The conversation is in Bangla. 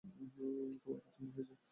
তোমার পছন্দ হয়েছে?